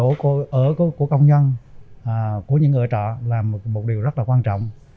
ở của công nhân của những người ở trọ là một điều rất là quan trọng